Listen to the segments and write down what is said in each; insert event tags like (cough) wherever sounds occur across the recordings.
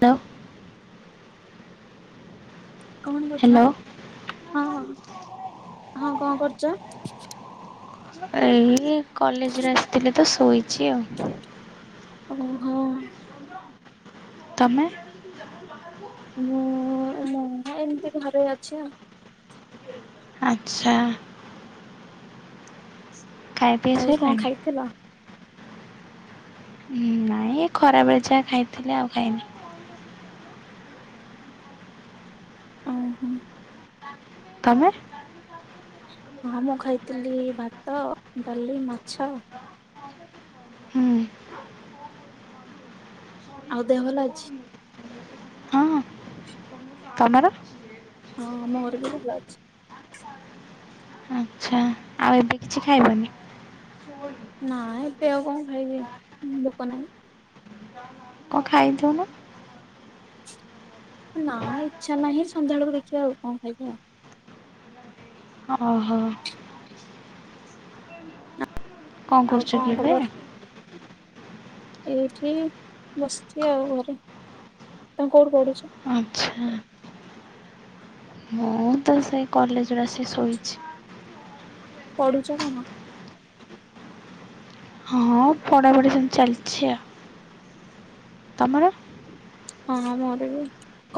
ତ। କଣ କହୁଛ ହ୍ୟାଲୋ ହଁ ହଁ ହଁ କଣ କରୁଛ? ଏଇ କଲେଜରୁ ଆସିଥିଲେ ତ ଶୋଇଛି ଆଉ। ଉଁ ହୁଁ ହୁଁ। ତମେ? (unintelligible) ମୁଁ ମୁଁ ଏମିତି ଘରେ ଅଛି ଆଉ। ଆଚ୍ଛା। ଖାଇ ପିଇ ଆଉ କଣ ସୋଇଲଣି? ଖାଇଥିଲ? ନାଇଁ ଖରା ବେଳେ ଯାହା ଖାଇଥିଲି ଆଉ ଖାଇନି। ଉଁ ହୁଁ। ତମେ? ହଁ ମୁଁ ଖାଇଥିଲି ଭାତ ଡାଲି ମାଛ। ହୁଁ ଆଉ ଦେହ ଭଲ ଅଛି? ତ ମର? ହଁ ମୋର ବି ଭଲ ଅଛି। ଆଚ୍ଛା। ଆଉ ଏବେ କିଛି ଖାଇବନି? (unintelligible) ନାଁ ଏବେ ଆଉ କଣ ଖାଇବି ଭୋକ ନାହିଁ। କଣ ଖାଇଦଉ ନ। ନାଁ ଇଚ୍ଛା ନାହିଁ ସନ୍ଧ୍ୟା ବେଳକୁ ଦେଖିବା ଆଉ କଣ ଖାଇବି ଆଉ। ଓହୋ। ଆଉ କରୁଛ କି କଣ ଏବେ? ଖବର? ଏଇଠି ବସିଛି ଆଉ ଘରେ ତମ କୋଉଠି ପଢୁଛ? ଆଚ୍ଛା। ମୁଁ ତ ସେଇ କଲେଜ୍ ରୁ ଆସିକି ଷୋଇଛି। ପଢୁଛ କଣ? ହଁ ପଢାପଢି ସେମିତି ଚାଲିଛି ଆଉ ତମର? ହଁ ମୋର ବି,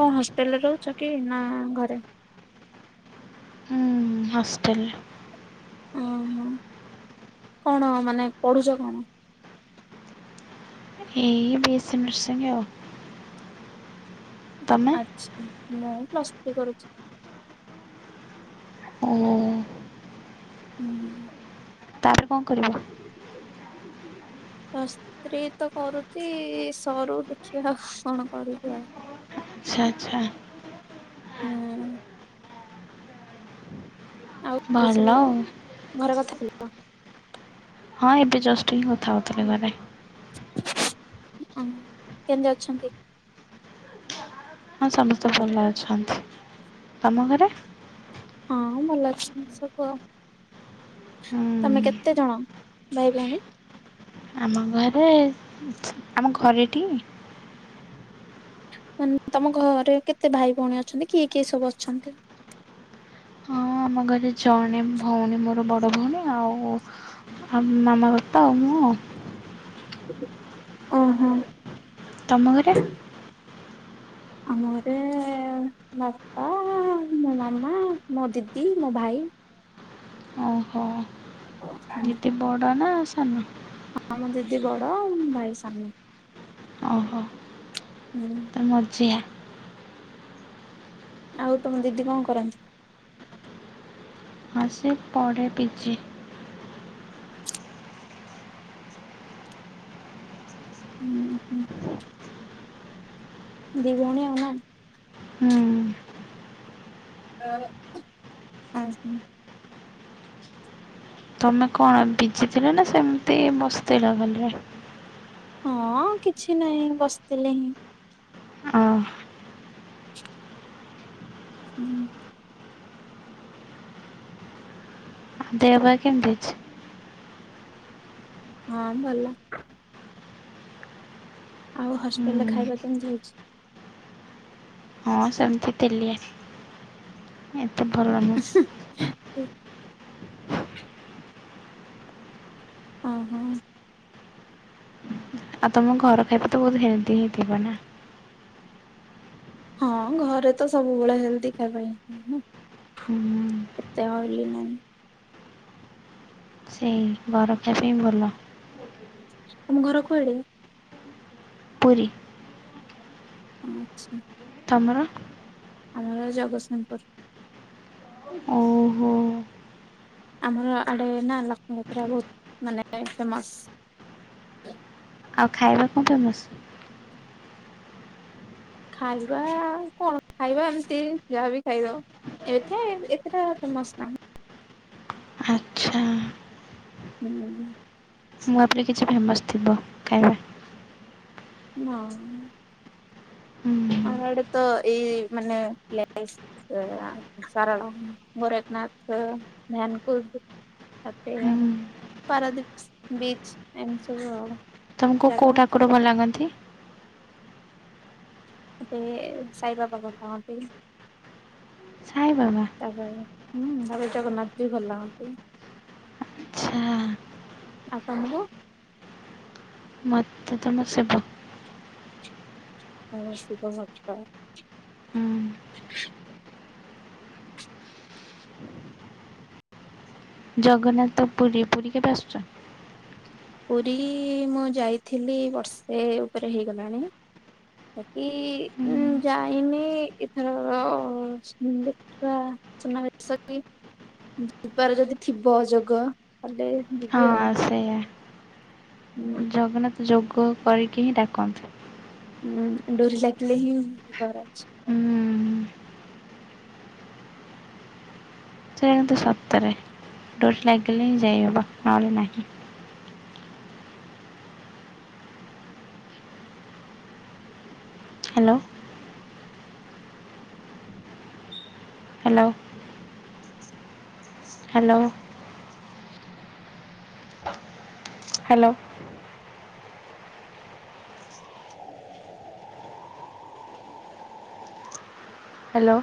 କଣ ହଷ୍ଟେଲରେ ରହୁଛ କି ନାଁ ଘରେ? ହୁଁ ହଷ୍ଟେଲ। ଓହୋ କଣ ମାନେ ପଢୁଛ କଣ? ଏଇ ବିଏସି ନର୍ସିଂଙ୍ଗି ଆଉ। ତମ ମୁଁ ପ୍ଲଥ୍ରୀ କରୁଛି। ଉଁ। ଉଁ। ତାପରେ କଣ କରିବ? ପ୍ଲଥ୍ରି ତ କରୁଛି ସରୁ ଦେଖିବା ଆଉ କଣ କରିବି ଆଉ। ଆଚ୍ଛା ଆଚ୍ଛା। ହୁଁ। ଆଉ ଘରେ ଭଲ ସବୁ ଆଉ। ଘର କଥା (unintelligible) ହଁ ଏବେ ଜଷ୍ଟ ହିଁ କଥା ହଉଥିଲେ ଘରେ। ହଁ କେମିତି ଅଛନ୍ତି। ହଁ ସମସ୍ତେ ଭଲ ଅଛନ୍ତି ତମ ଘରେ? ହଁ ଭଲ ଅଛନ୍ତି ସବୁ ଆଉ। ହୁଁ ତମେ କେତେ ଜଣ ଭାଇ ଭଉଣୀ? ଆମ ଘରେ ଆଛା ଆମ ଘରେ ଟି? ମାନେ ତମ ଘରେ କେତେ ଭାଇ ଭଉଣୀ ଅଛନ୍ତି କିଏ କିଏ ସବୁ ଅଛନ୍ତି? ହଁ ଆମ ଘରେ ଜଣେ ଭଉଣୀ ମୋର ବଡ଼ ଭଉଣୀ ଆଉ। ଆଉ ମାମା ବାପା ଆଉ ମୁଁ। ଉଁ ହୁଁ। ତମ ଘରେ? ଆମ ଘରେ ବାପା ମୋ ମାମା ମୋ ଦିଦି ମୋ ଭାଇ। ଓହୋ ଦିଦି ବଡ ନାଁ ସାନ? ହଁ ମୋ ଦିଦି ବଡ଼ ଆଉ ମୋ ଭାଇ ସାନ। ଓହୋ। ହୁଁ। ମଝିଆ। ଆଉ ତମ ଦିଦି କଣ କରନ୍ତି? ହଁ ସେ ପଢ଼େ ପି ଜି। ଦି ଭଉଣୀ ଆଉ ନା। ହୁଁ। ଆ। ତମେ କଣ ବିଜି ଥିଲ ନା ସେମିତି ବସ୍ତିଥିଲା ଖାଲି? ହଁ କିଛି ନାହିଁ ବସିଥିଲି ହିଁ। ଅହ ହୁଁ। ଦେହ ପା କେମିତି ଅଛି? ହଁ ଭଲ। ଆଉ ହଷ୍ଟେଲ ରେ ଖାଇବା କେମିତି ହଉଛି? ହଁ ସେମିତି ତେଲିଆ, ଏତେ ଭଲ ନୁହେଁ। ହୁଁ। ହଁ ହଁ। ଆଉ ତମ ଘର ଖାଇବା ତ ବହୁତ ହେଲ୍ଦି ହେଇଥିବ ନା? ହଁ ଘରେ ତ ସବୁବେଳେ ହେଲ୍ଦି ଖାଇବା ହିଁ ହୁଁ ଏତେ ଅଏଲି ନାହିଁ। ସେଇ ଘର ଖାଇବା ହିଁ ଭଲ। ତମ ଘର କୁଆଡେ? ପୁରୀ। ଆଚ୍ଛା। ତମର? ଆମର ଜଗତସିଂହପୁର। ଓହୋ। ଆମର ଆଡେ ନା ଲକ୍ଷ୍ମୀ ଯାତ୍ରା ବୋହୁତ୍ ମାନେ ଫେମସ। ଆଉ ଖାଇବା କଣ ଫେମସ୍? ଖାଇବା କଣ ଖାଇବା ଏମିତି ଯାହାବି ଖାଇଦ ଏଠି ଏତେଟା ଫେମସ ନାହିଁ। ଆଚ୍ଛା। ହୁଁ। ମୁଁ ଭାବିଲି କିଛି ଫେମସ ଥିବ ଖାଇବା। ନା। ହୁଁ ଆମଆଡେ ତ ଏଇ ମାନେ ପ୍ଲେସ। ଆ ସାରାଳା, ଗୋରଖନାଥ, ଧାନକୁଦ ଆପ ହୁଁ ପାରଦୀପ ବୀଚ ଏମିତି ସବୁ ଆଉ। ତମକୁ ଜାଗା କୋଉ ଠାକୁର ଭଲ ଲାଗନ୍ତି? ମତେ ସାଇବାବା ଭଲ ଲାଗନ୍ତି। ସାଇ ବାବା ତାପରେ ହୁଁ ତାପରେ ଜଗନ୍ନାଥ ବି ଭଲ ଲାଗନ୍ତି। ଆଛା। ଆପଣଙ୍କୁ? ମତେ ତ ମୋ ଶିବ। ଓ ଶିବ ଭକ୍ତ। ହୁଁ ଜଗନ୍ନାଥ ପୁରୀ, ପୁରୀ କେବେ ଆସୁଛ? ପୁରୀ ମୁଁ ଯାଇଥିଲି ବର୍ଷେ ଉପରେ ହେଇଗଲାଣି ହେଟି ହୁଁ ମୁଁ ଯାଇନି ଏଥର ଦେ ହଁ (inaudible) ଯିବାର ଯଦି ଥିବ ଯୋଗ ତାହେଲେ ଯିବି ଆଉ। ହଁ ସେଇଆ, ହୁଁ, ଜଗନ୍ନାଥ ଯୋଗ କରିକି ହିଁ ଡାକନ୍ତି। ହୁଁ ଡୋରି ଲାଗିଲେ ହିଁ ଯିବାର ଅଛି। ହୁଁ ସେଇଟା କିନ୍ତୁ ସତରେ ଡୋରି ଲାଗିଲେ ହିଁ ଯାଇହେବ ନହେଲେ ନାହିଁ। Hello hello, hello, hello, hello,